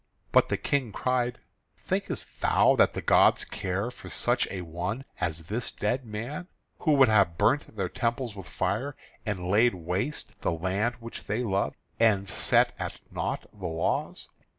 But the King cried: "Thinkest thou that the gods care for such an one as this dead man, who would have burnt their temples with fire, and laid waste the land which they love, and set at naught the laws?